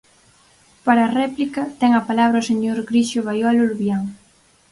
Para réplica, ten a palabra o señor Grixó Baiolo-Luvián.